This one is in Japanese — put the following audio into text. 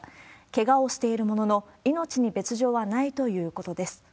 けがをしているものの、命に別状はないということです。